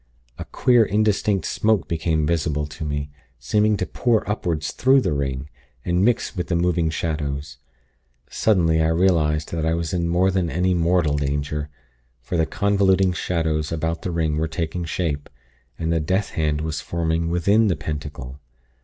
A queer indistinct smoke became visible to me, seeming to pour upward through the ring, and mix with the moving shadows. Suddenly, I realized that I was in more than any mortal danger; for the convoluting shadows about the ring were taking shape, and the death hand was forming within the Pentacle.